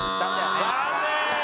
残念！